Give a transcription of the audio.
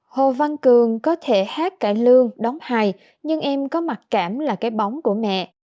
hồ văn cường có thể hát cải lương đóng hai nhưng em có mặc cảm là cái bóng của mẹ